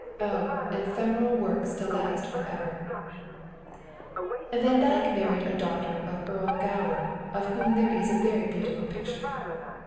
Oh ! ephemeral works to last for ever ! Vandyke married a daughter of Earl Gower, of whom there is a very beautiful picture.